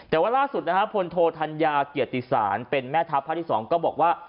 แต่ว่าล่าสุดนะฮะพลโทธัญญาเกียรติศาลเป็นแม่ทัพภาคที่๒ก็บอกว่า